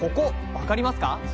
分かりますか？